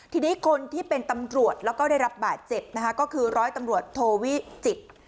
ทีนี้คนที่เป็นตำรวจแล้วก็ได้รับบาดเจ็บนะคะก็คือร้อยตำรวจโทวิจิตร